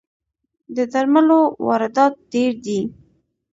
د درملو واردات ډیر دي